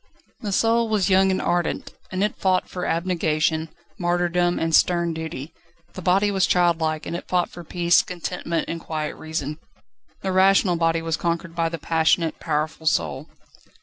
The soul was young and ardent, and it fought for abnegation, martyrdom, and stern duty; the body was childlike, and it fought for peace, contentment, and quiet reason. The rational body was conquered by the passionate, powerful soul.